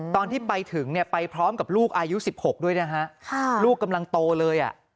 ตอนที่ไปถึงเนี่ยไปพร้อมกับลูกอายุ๑๖ด้วยนะฮะลูกกำลังโตเลย